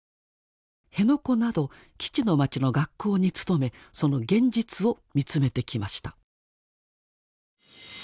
辺野古など基地の町の学校に勤めその現実を見つめてきました。